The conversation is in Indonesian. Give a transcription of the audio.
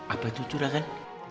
apa itu juragan